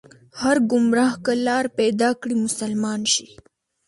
هر ګمراه که لار پيدا کړي، مسلمان شي